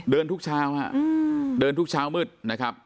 ทุกเช้าฮะเดินทุกเช้ามืดนะครับ